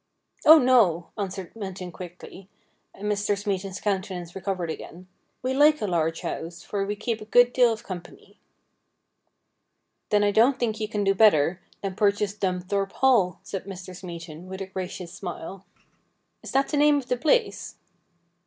'Oh, no,' answered Minton quickly, and Mr. Smeaton's countenance recovered again ;' we like a large house, for we keep a good deal of company.' ' Then I don't think you can do better than purchase Dumthorpe Hall,' said Mr. Smeaton, with a gracious smile. ' Is that the name of the place